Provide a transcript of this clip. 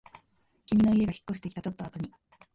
君の家が引っ越してきたちょっとあとに